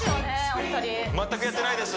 お二人全くやってないです